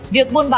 việc buôn bán